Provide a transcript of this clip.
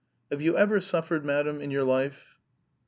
"Have you ever suffered madam, in your life?"